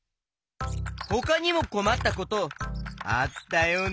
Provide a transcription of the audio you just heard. ほかにもこまったことあったよね？